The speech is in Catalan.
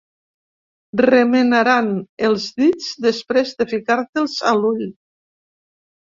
Remenaran els dits després de ficar-te'ls a l'ull.